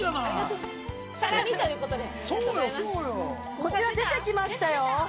こちら出てきましたよ。